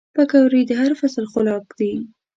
پکورې د هر فصل خوراک دي